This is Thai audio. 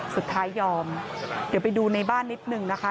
สุดท้ายยอมเดี๋ยวไปดูในบ้านนิดนึงนะคะ